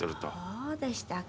そうでしたか。